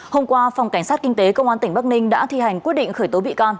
hôm qua phòng cảnh sát kinh tế công an tỉnh bắc ninh đã thi hành quyết định khởi tố bị can